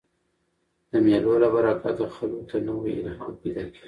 د مېلو له برکته خلکو ته نوی الهام پیدا کېږي.